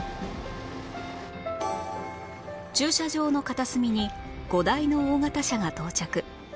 駐車場の片隅に５台の大型車が到着